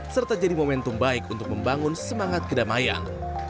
serta jadi momentum baik untuk membangun semangat kedamaian